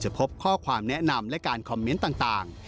พบข้อความแนะนำและการคอมเมนต์ต่าง